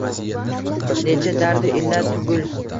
Necha dardu illat tugul